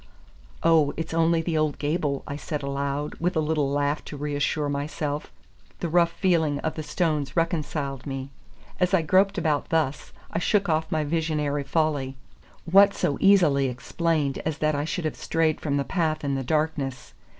"Oh, it's only the old gable," I said aloud, with a little laugh to reassure myself. The rough feeling of the stones reconciled me. As I groped about thus, I shook off my visionary folly. What so easily explained as that I should have strayed from the path in the darkness?